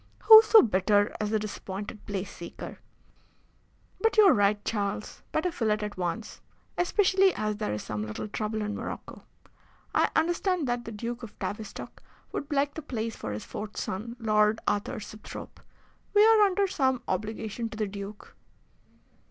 Who so bitter as the disappointed place seeker? But you are right, Charles. Better fill it at once, especially as there is some little trouble in Morocco. I understand that the Duke of Tavistock would like the place for his fourth son, Lord Arthur Sibthorpe. We are under some obligation to the Duke."